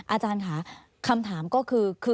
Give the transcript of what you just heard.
อาจารย์ค่ะคำถามก็คือ